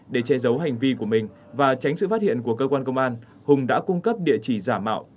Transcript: để che giấu hành vi của mình và tránh sự phát hiện của cơ quan công an hùng đã cung cấp địa chỉ giả mạo